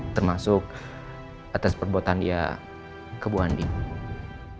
termasuk atas perbuatan dia ke bu andi